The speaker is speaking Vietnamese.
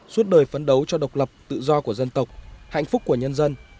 suốt đời phấn đấu cho độc lập tự do của dân tộc hạnh phúc của nhân dân